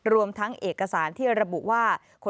รวมทั้งเอกสารที่ระบุว่า